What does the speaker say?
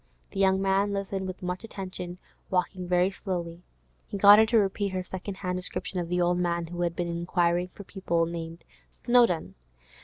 The young man listened with much attention, walking very slowly. He got her to repeat her second hand description of the old man who had been inquiring for people named Snowdon.